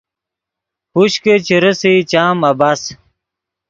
ہوش کہ چے رېسئے چام عبث